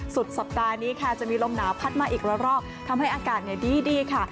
สุดสัปดาห์นี้ค่ะจะมีลมหนาวพัดมาอีกละรอกทำให้อากาศดีค่ะ